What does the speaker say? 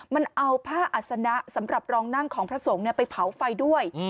มันเอาผ้าอัศนะสำหรับรองนั่งของพระสงฆ์ไปเผาไฟด้วย